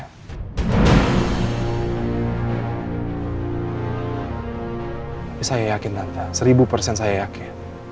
tapi saya yakin ada seribu persen saya yakin